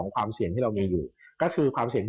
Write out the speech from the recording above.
ความเสี่ยงที่เรามีอยู่ก็คือความเสี่ยง